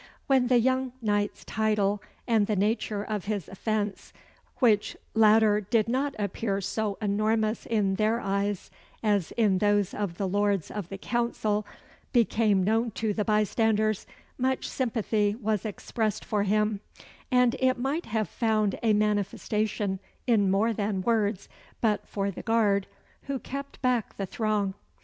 When the young knight's title, and the nature of his offence, which latter did not appear so enormous in their eyes as in those of the Lords of the Council, became known to the bystanders, much sympathy was expressed for him; and it might have found a manifestation in more than words, but for the guard, who kept back the throng.